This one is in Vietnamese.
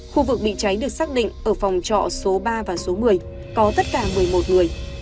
khu vực bị cháy được xác định ở phòng trọ số ba và số một mươi có tất cả một mươi một người